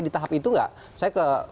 di tahap itu enggak saya ke